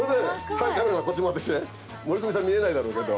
はいカメラこっち回って来て森富美さん見えないだろうけど。